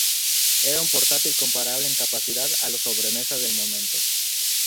Era un portátil comparable en capacidad a los sobremesa del momento.